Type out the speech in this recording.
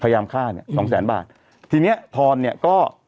พยายามฆ่าเนี่ยสองแสนบาททีเนี้ยทรเนี่ยก็